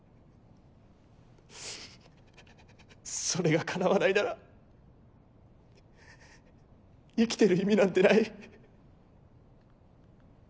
それが叶わないなら生きてる意味なんてない。